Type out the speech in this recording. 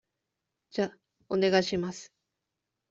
じゃあ、お願いします。